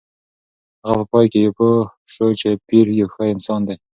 هغه په پای کې پوه شوه چې پییر یو ښه انسان دی.